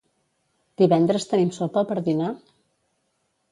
Divendres tenim sopa per dinar?